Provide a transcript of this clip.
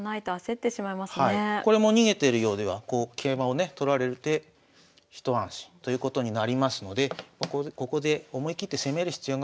これも逃げてるようではこう桂馬をね取られて一安心ということになりますのでここで思い切って攻める必要があるわけですね。